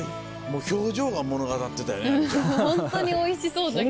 もう表情が物語ってたよね。